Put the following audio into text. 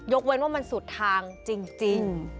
เว้นว่ามันสุดทางจริง